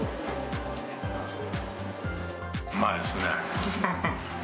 うまいですね。